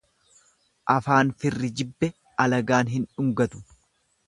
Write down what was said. Afaan firri jibbe alagaan hin dhungatu.